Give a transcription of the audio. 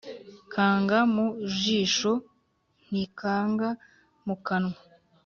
Kanga mu jisho ntikanga mu kanwa.